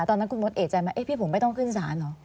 ตอนนั้นคุณมดเอกใจไหมพี่ผมไม่ต้องขึ้นศาลเหรอ